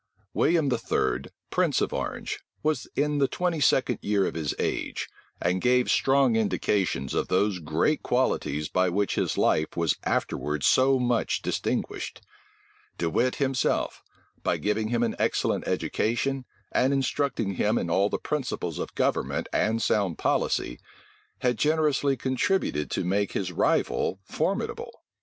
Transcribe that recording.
William III., prince of Orange, was in the twenty second year of his age, and gave strong indications of those great qualities by which his life was afterwards so much distinguished. De Wit himself, by giving him an excellent education, and instructing him in all the principles of government and sound policy, had generously contributed to make his rival formidable.